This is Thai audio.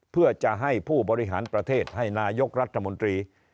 เพื่อจะให้ผู้บริหารประเทศให้นายกรัฐมนตรี